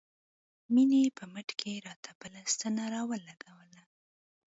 مينې په مټ کښې راته بله ستن راولګوله.